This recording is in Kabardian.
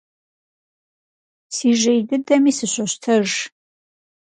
Си жей дыдэми сыщощтэж.